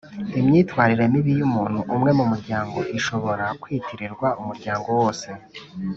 imyitwarire mibi y‘umuntu umwe mu muryango ishobora kwitirirwa umuryango wose.